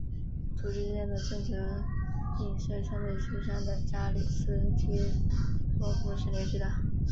簇之间的正则映射相对其上的扎里斯基拓扑是连续的。